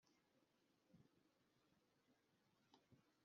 Umawana wimyaka icumi iyo anyoye